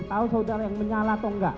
tahu saudara yang menyala atau enggak